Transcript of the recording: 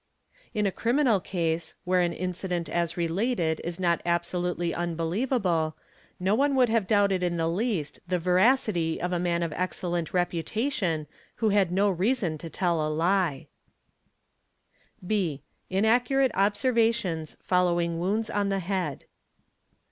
& In a criminal case, where an incident as related is not absolutely "unbelievable, no one would have doubted in the least the veracity of a "man of excellent reputation who had no reason to tell a lie. 11 82 EXAMINATION OF WITNESSES (b) Inaccurate observations following wounds on the head.